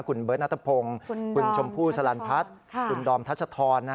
คุณเบิร์ตนัทพงศ์คุณชมพู่สลันพัฒน์คุณดอมทัชธร